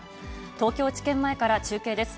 東京地検前から中継です。